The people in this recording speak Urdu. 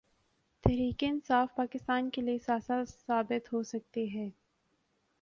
تحریک انصاف پاکستان کے لیے اثاثہ ثابت ہو سکتی ہے۔